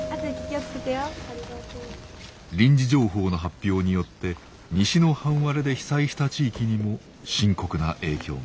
臨時情報の発表によって西の半割れで被災した地域にも深刻な影響が。